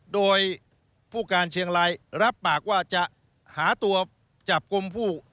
โดยผู้การเชียงรายรับปากว่าจะหาตัวจับกลุ่มผู้